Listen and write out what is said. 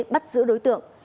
bắt giữ đối tượng